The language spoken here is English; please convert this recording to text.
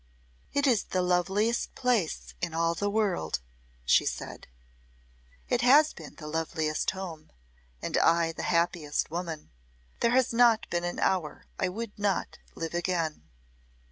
"It is the loveliest place in all the world," she said. "It has been the loveliest home and I the happiest woman. There has not been an hour I would not live again."